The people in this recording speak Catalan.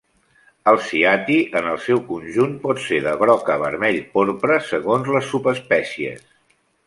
El ciati en el seu conjunt pot ser de groc a vermell-porpra, segons les subespècies.